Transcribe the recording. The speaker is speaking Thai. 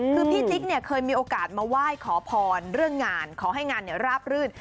คือพี่จิ๊กเนี่ยเคยมีโอกาสมาไหว้ขอพรเรื่องงานขอให้งานราบรื่น